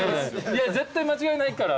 いや絶対間違いないから。